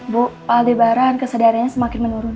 bu pak aldebaran kesadarannya semakin menurun